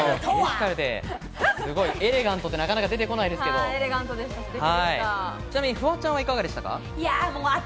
エレガントってなかなか出てこないですが、フワちゃんはいかがでしたか？